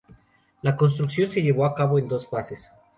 La construcción se llevó a cabo en dos fases.